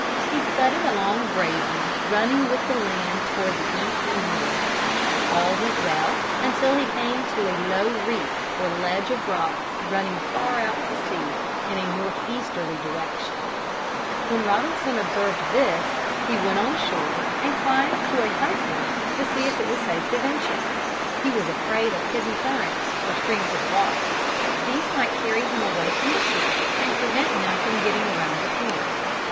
He scudded along bravely, running with the land toward the East and North. All went well until he came to a low reef or ledge of rocks running far out to sea in a north easterly direction. When Robinson observed this he went on shore and climbed to a high point to see if it was safe to venture. He was afraid of hidden currents, or streams of water. These might carry him away from the shore and prevent him from getting around the point.